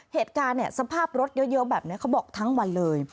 เหตุการณ์เนี่ยสภาพรถเยอะแบบนี้เขาบอกทั้งวันเลย